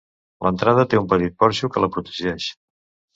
L'entrada té un petit porxo que la protegeix.